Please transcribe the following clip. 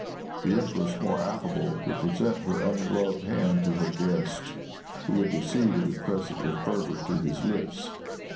The empress, more affable, would present her ungloved hand to her guest, who would receive it and press it with fervor to his lips.